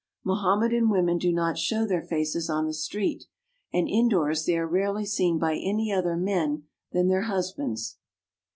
Mohammedan women do not show their faces on the street; and indoors they are rarely seen by any other men than their hus bands.